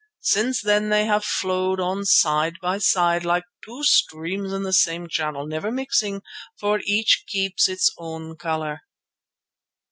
Since then they have flowed on side by side like two streams in the same channel, never mixing, for each keeps its own colour.